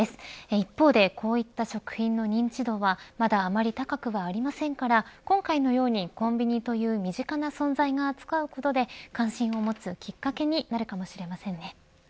一方でこういった食品の認知度はまだあまり高くはありませんから今回のようにコンビニという身近な存在が扱うことで感心を持つきっかけになるかもしれませんね。